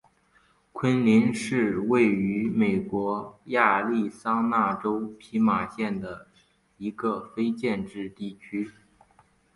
昆林是位于美国亚利桑那州皮马县的一个非建制地区。